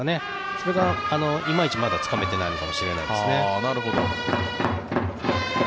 それがいまいちまだ、つかめてないのかもしれないですね。